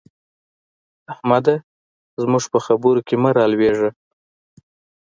احمده! زموږ په خبرو کې مه رالوېږه.